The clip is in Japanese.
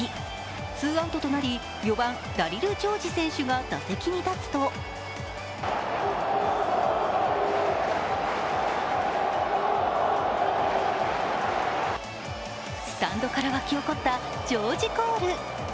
ツーアウトとなり、４番ダリル・ジョージ選手が打席に立つとスタンドから湧き起こったジョージコール。